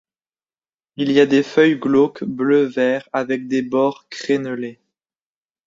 Il a des feuilles glauques bleu-vert avec des bords crénelés.